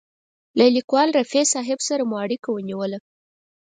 له لیکوال رفیع صاحب سره مو اړیکه ونیوله.